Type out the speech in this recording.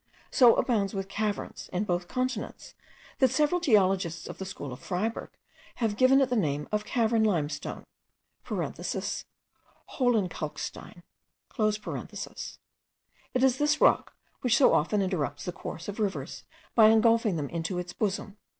so abounds with caverns in both continents, that several geologists of the school of Freyberg have given it the name of cavern limestone (hohlenkalkstein). It is this rock which so often interrupts the course of rivers, by engulfing them into its bosom.